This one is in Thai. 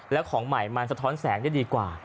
แล้วของใหม่มันสะท้อนแสงได้ดีกว่า